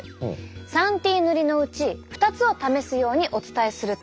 ３Ｔ塗りのうち２つを試すようにお伝えすると。